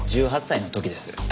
１８歳の時です。